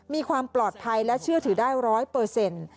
มีความปลอดภัยและเชื่อถือได้ร้อยเปอร์เซ็นต์